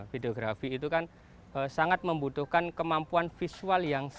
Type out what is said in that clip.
videografi itu kan sangat membutuhkan kemampuan visual yang sangat